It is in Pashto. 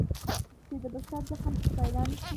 چې د بستر زخم پکښې پيدا نه سي.